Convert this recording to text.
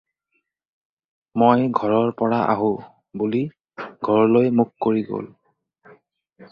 "মই ঘৰৰ পৰা আহোঁ" বুলি ঘৰলৈ মুখ কৰি গ'ল।